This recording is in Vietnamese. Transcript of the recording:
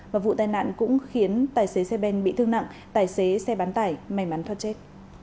và vụ tai nạn cũng khiến tài xế xe ben bị thương nặng tài xế xe bán tải may mắn thoát chết